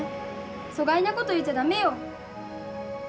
そがいなこと言うちゃ駄目よ！